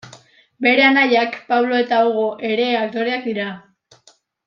Bere anaiak, Pablo eta Hugo, ere aktoreak dira.